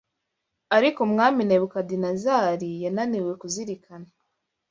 Ariko umwami Nebukadinezari yananiwe kuzirikana